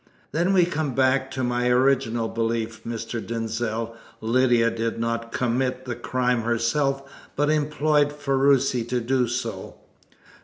"Then we come back to my original belief, Mr. Denzil. Lydia did not commit the crime herself, but employed Ferruci to do so."